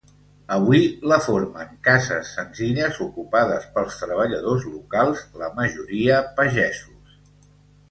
Avui la formen cases senzilles ocupades pels treballadors locals, la majoria pagesos.